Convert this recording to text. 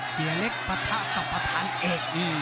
เสียเล็กปะทะกับประธานเอก